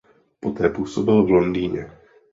Poté působil v Londýně.